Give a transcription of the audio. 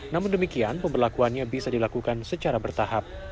namun demikian pemberlakuannya bisa dilakukan secara bertahap